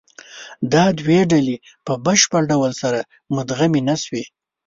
دا دوې ډلې په بشپړ ډول سره مدغمې نهشوې.